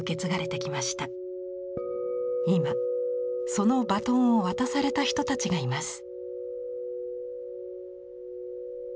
今そのバトンを渡された人たちがいます。